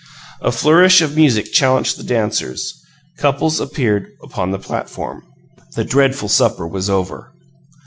... A flourish of music challenged the dancers. Couples appeared upon the platform. The dreadful supper was over.